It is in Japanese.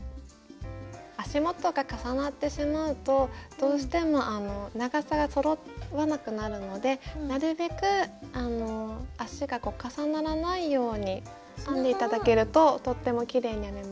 足元が重なってしまうとどうしても長さがそろわなくなるのでなるべく足が重ならないように編んで頂けるととってもきれいに編めます。